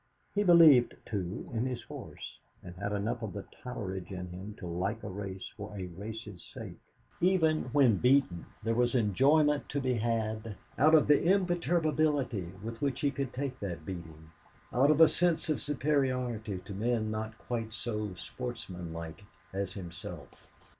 He believed, too, in his horse; and had enough of the Totteridge in him to like a race for a race's sake. Even when beaten there was enjoyment to be had out of the imperturbability with which he could take that beating, out of a sense of superiority to men not quite so sportsmanlike as himself.